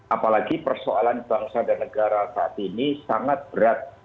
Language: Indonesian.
apalagi persoalan bangsa dan negara saat ini sangat berat